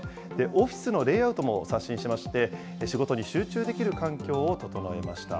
オフィスのレイアウトも刷新しまして、仕事に集中できる環境を整えました。